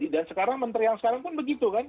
dan sekarang menteri yang sekarang pun begitu kan